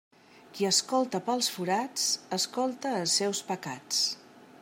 Qui escolta pels forats escolta els seus pecats.